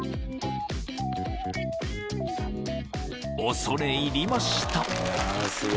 ［恐れ入りました］